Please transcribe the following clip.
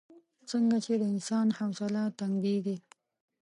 څنګه چې د انسان حوصله تنګېږي.